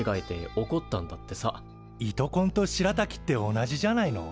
糸こんとしらたきって同じじゃないの？